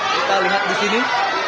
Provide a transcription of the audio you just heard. kita lihat di sini